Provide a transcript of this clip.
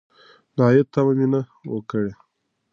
د عاید تمه مې نه وه کړې.